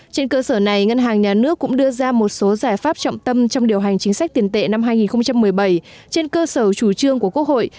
trên cơ sở này ngân hàng nhà nước cũng đưa ra một số giải pháp trọng tâm trong điều hành chính sách tiền tệ năm hai nghìn một mươi bảy trên cơ sở chủ trương của quốc hội